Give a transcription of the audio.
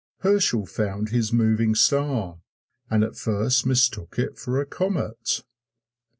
Herschel found his moving star, and at first mistook it for a comet.